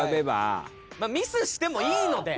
ミスしてもいいので。